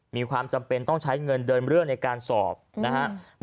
มีความจำเป็นต้องใช้เงินเดินเรื่องในการสอบนะครับ